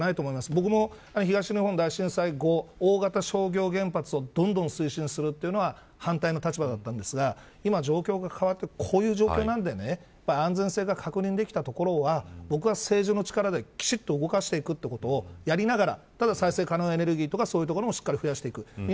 僕も東日本大震災後大型商業原発をどんどん推進するのを反対の立場だったですが今、状況が変わってこういう状況なので安全性が確認できた所は僕は政治の力できちっと動かしていくということをやりながらただ再生可能エネルギーとかを増やしていく。